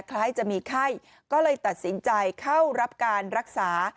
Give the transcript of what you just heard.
คล้ายจะมีไข้ก็เลยตัดสินใจเข้ารับการรักษา